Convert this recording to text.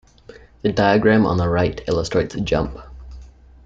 The diagram on the right illustrates a jump.